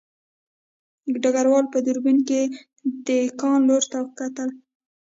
ډګروال په دوربین کې د کان لور ته کتل